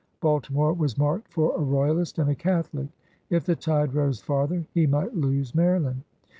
Balti more was marked for a royalist and a Catholic. If the tide rose farther, he might lose Maryland.